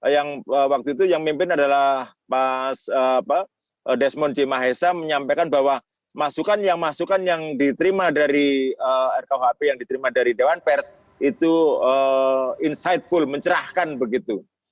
yang waktu itu yang memimpin adalah desmond j mahesa menyampaikan bahwa masukan yang diterima dari rkuhp yang diterima dari dewan pers itu insightful mencerahkan begitu